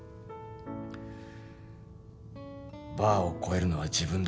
バーを越えるのは自分だけだ。